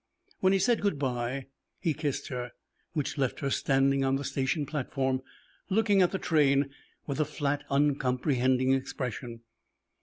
When he said good by, he kissed her, which left her standing on the station platform looking at the train with a flat, uncomprehending expression.